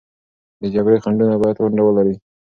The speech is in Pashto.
د جګړې خنډونه باید ونډه ولري.